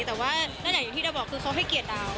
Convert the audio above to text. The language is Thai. แต่ว่านั่นแหละอย่างที่เราบอกคือเขาให้เกียรติเรา